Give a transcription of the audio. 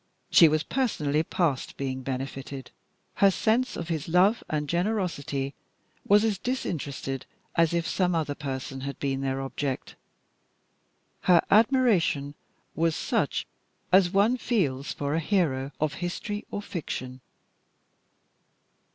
She was personally past being benefited. Her sense of his love and generosity was as disinterested as if some other person had been their object. Her admiration was such as one feels for a hero of history or fiction.